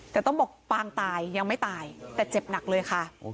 แต่ต้องบอกปางตายยังไม่ตายแต่เจ็บหนักเลยค่ะ